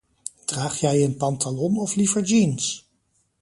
Draag jij een pantalon of liever jeans?